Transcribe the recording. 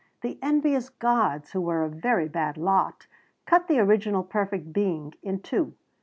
The envious gods who were a very bad lot cut the original perfect being in two.